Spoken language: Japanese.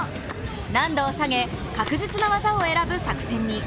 難度を下げ、確実な技を選ぶ作戦に。